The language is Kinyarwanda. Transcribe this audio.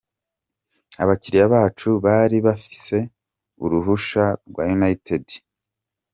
Abakiriya bacu bari bafise uruhusha rwa United.